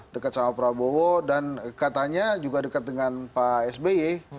dekat sama prabowo dan katanya juga dekat dengan pak sby